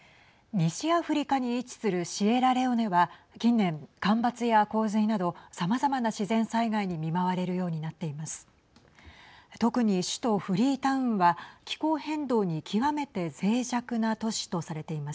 西アフリカに位置するシエラレオネは近年、干ばつや洪水などさまざまな自然災害に見舞われるようになっています。